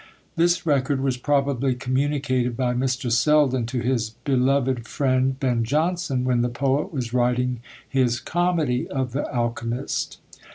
This record was probably communicated by Mr. Selden to his beloved friend Ben Jonson, when the poet was writing his comedy of the Alchymist.